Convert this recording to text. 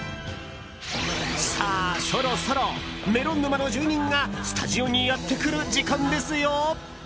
さあ、そろそろメロン沼の住人がスタジオにやってくる時間ですよ。